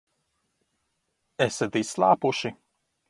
Esat izslāpuši?